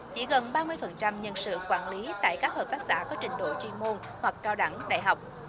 chỉ gần ba mươi nhân sự quản lý tại các hợp tác xã có trình độ chuyên môn hoặc cao đẳng đại học